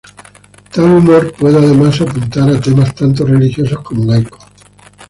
Tal humor puede además apuntar a temas tanto religiosos como laicos.